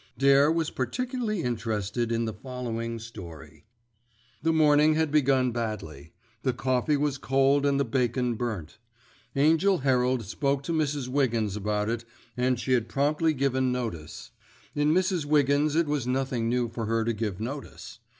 Dare was particularly interested in the following story:— The morning had begun badly. The coffee was cold and the bacon burnt. Angell Herald spoke to Mrs. Wiggins about it, and she had promptly given notice. In Mrs. Wiggins it was nothing new for her to give notice.